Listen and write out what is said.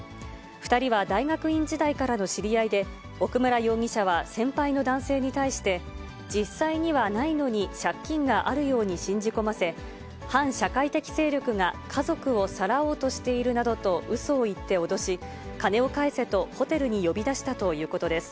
２人は大学院時代からの知り合いで、奥村容疑者は先輩の男性に対して、実際にはないのに借金があるように信じ込ませ、反社会的勢力が家族をさらおうとしているなどとうそを言って脅し、金を返せとホテルに呼び出したということです。